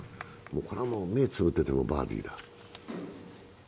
これは目をつぶっててもバーディーだ。